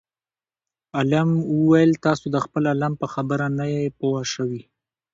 عالم وویل تاسو د خپل عالم په خبره نه یئ پوه شوي.